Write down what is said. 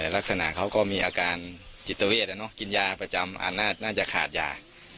ลักษณะเขาก็มีอาการจิตเวทกินยาประจำน่าจะขาดยา